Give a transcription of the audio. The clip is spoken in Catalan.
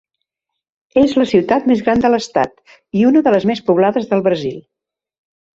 És la ciutat més gran de l'estat i una de les més poblades del Brasil.